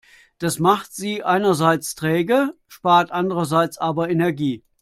Das macht sie einerseits träge, spart andererseits aber Energie.